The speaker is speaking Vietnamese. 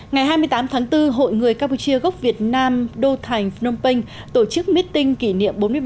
ngày hai mươi tám tháng bốn hội người campuchia gốc việt nam đô thành phnom penh tổ chức meeting kỷ niệm